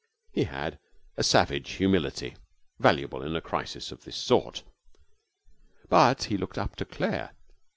He had a savage humility, valuable in a crisis of this sort. But he looked up to Claire.